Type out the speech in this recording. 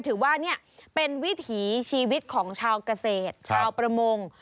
ถือว่าเป็นวิถีชีวิตของชาวเกษตรชาวประมง